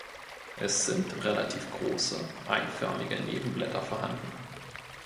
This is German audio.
Es sind relativ große, eiförmige Nebenblätter vorhanden.